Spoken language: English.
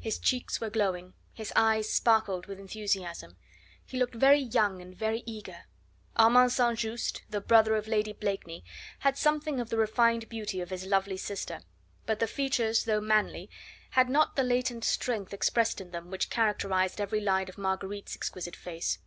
His cheeks were glowing, his eyes sparkled with enthusiasm. He looked very young and very eager. Armand St. Just, the brother of Lady Blakeney, had something of the refined beauty of his lovely sister, but the features though manly had not the latent strength expressed in them which characterised every line of Marguerite's exquisite face.